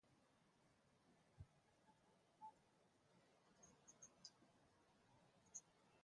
Bunny, James, and Bobby joined later.